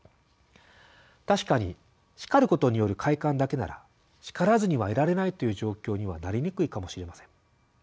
確かに叱ることによる快感だけなら「叱らずにはいられない」という状況にはなりにくいかもしれません。